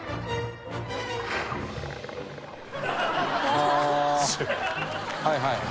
ああはいはい。